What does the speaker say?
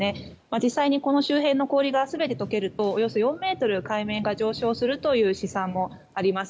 実際にこの周辺の氷が全て解けるとおよそ４ｍ海面が上昇するという試算もあります。